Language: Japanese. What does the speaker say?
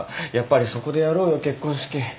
やっぱりそこでやろうよ結婚式。